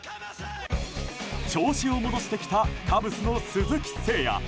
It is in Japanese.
調子を戻してきたカブスの鈴木誠也。